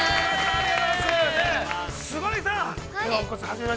ありがとうございます。